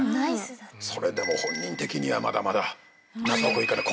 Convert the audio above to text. それでも本人的にはまだまだ納得いかない。